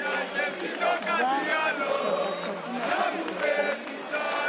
دوه چپرکټونه پکې پراته و.